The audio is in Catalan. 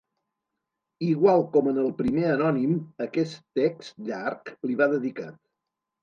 Igual com en el primer anònim, aquest text llarg li va dedicat.